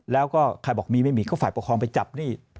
แล้วก็ใครบอกมีไม่มีก็ฝ่ายปกครองไปจับนี่